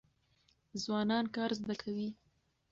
ځوانان کار زده کوي.